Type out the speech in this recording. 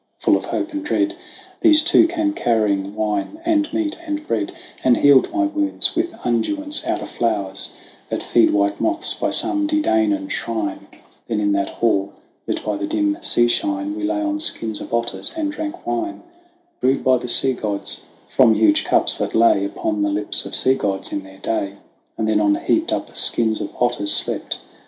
Full of hope and dread Those two came carrying wine and meat and bread, 112 THE WANDERINGS OF 01 SIN And healed my wounds with unguents out of flowers, That feed white moths by some De Danaan shrine ; Then in that hall, lit by the dim sea shine, We lay on skins of otters, and drank wine, Brewed by the sea gods, from huge cups that lay Upon the lips of sea gods in their day; And then on heaped up skins of otters slept.